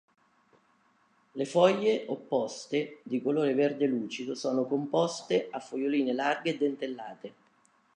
Le foglie, opposte, di colore verde lucido, sono composte, a foglioline larghe e dentellate.